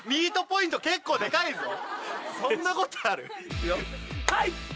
いくよはい！